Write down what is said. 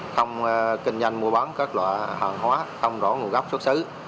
không kinh doanh mua bán các loại hàng hóa không rõ nguồn gốc xuất xứ